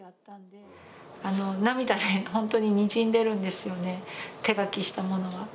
涙で本当ににじんでいるんですよね、手書きしたものは。